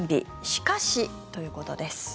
しかし、ということです。